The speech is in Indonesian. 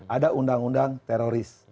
ada undang undang teroris